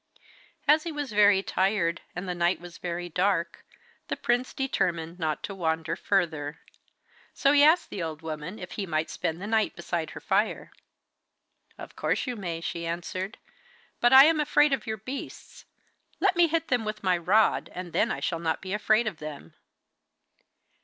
As he was very tired, and the night was very dark, the prince determined not to wander further. So he asked the old woman if he might spend the night beside her fire. 'Of course you may,' she answered. 'But I am afraid of your beasts. Let me hit them with my rod, and then I shall not be afraid of them.